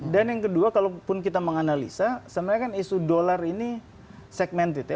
dan yang kedua kalaupun kita menganalisa sebenarnya kan isu dolar ini segmented